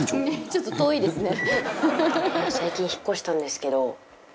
「ちょっと遠いですね」